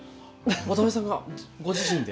渡辺さんがご自身で？